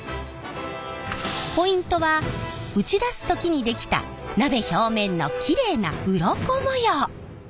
ポイントは打ち出す時に出来た鍋表面のきれいなウロコ模様！